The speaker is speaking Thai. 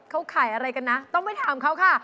เขาขายอะไรกันนะต้องไปถามเขาค่ะ